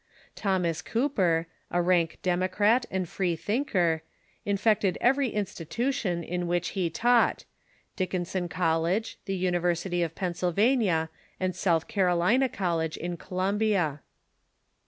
Thomas Cooper, a rank democrat and free thinker, infected every institution in which he taught — Dick inson College, the University of Pennsylvania, and South Car olina College, in Columbia.